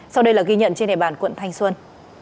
sau đây là ghi nhận trên địa bàn quận thanh xuân